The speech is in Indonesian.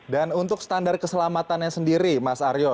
dan untuk standar keselamatan yang sendiri mas aryo